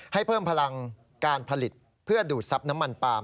ให้เพิ่มพลังการผลิตเพื่อดูดทรัพย์น้ำมันปาล์